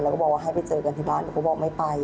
แล้วก็บอกว่าให้ไปเจอกันที่บ้านหนูก็บอกไม่ไป